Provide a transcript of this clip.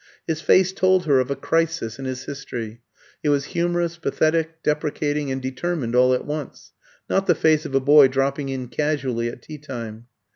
His face told her of a crisis in his history; it was humorous, pathetic, deprecating, and determined, all at once, not the face of a boy dropping in casually at tea time.